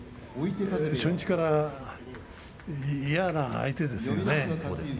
初日から嫌な相手でしたよね。